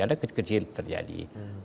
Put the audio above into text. ada kecil kecil terjadi